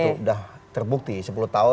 itu sudah terbukti sepuluh tahun